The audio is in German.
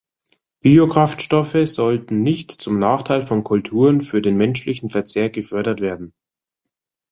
Biokraftstoffe sollten nicht zum Nachteil von Kulturen für den menschlichen Verzehr gefördert werden.